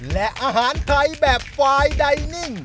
และอาหารไทยแบบไฟล์ไดนิ่ง